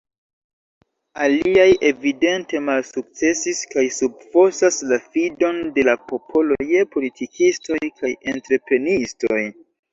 Aliaj evidente malsukcesis kaj subfosas la fidon de la popolo je politikistoj kaj entreprenistoj.